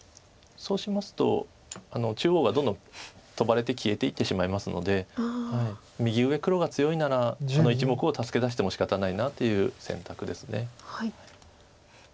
そうしますと中央がどんどんトバれて消えていってしまいますので右上黒が強いならあの１目を助け出してもしかたないなという選択です。